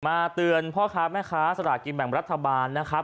เตือนพ่อค้าแม่ค้าสลากินแบ่งรัฐบาลนะครับ